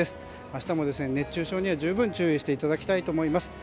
明日も熱中症には十分注意していただきたいと思います。